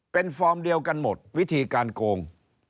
เป็นฟอร์มเดียวกันหมดวิธีการโกง